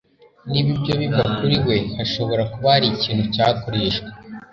Niba ibyo biva kuri we hashobora kuba hari ikintu cyakoreshwa